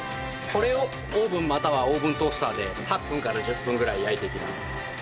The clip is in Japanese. これをオーブンまたはオーブントースターで８分から１０分ぐらい焼いていきます。